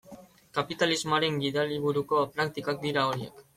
Kapitalismoaren gidaliburuko praktikak dira horiek.